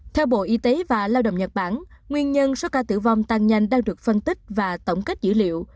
theo bộ y tế và lao động nhật bản nguyên nhân số ca tử vong tăng nhanh đang được phân tích và tổng kết dữ liệu